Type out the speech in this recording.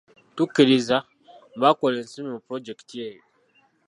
Tukkiriza, baakola ensobi mu pulojekiti eyo.